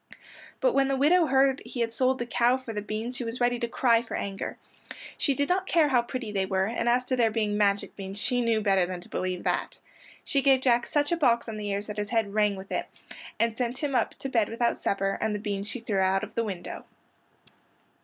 But when the widow heard he had sold the cow for beans she was ready to cry for anger. She did not care how pretty they were, and as to their being magic beans she knew better than to believe that. She gave Jack such a box on the ears that his head rang with it, and sent him up to bed without his supper, and the beans she threw out of the window.